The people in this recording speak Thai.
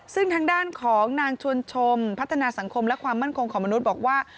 ซึ่งทางด้านของนางชวนชมพัฒนาสังคมและความมั่นคงของมนุษย์บอกว่า